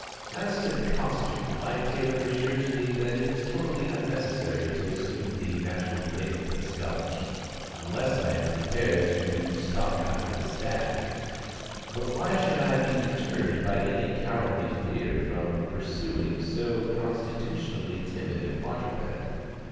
As to costume, my tailor assures me that it is totally unnecessary to assume the national raiment of a Scotch, unless I am prepared to stalk after a stag. But why should I be deterred by any cowardly fear from pursuing so constitutionally timid a quadruped?